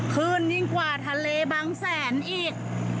ขึ้นยิ่งกว่าทะเลบางแสนอีก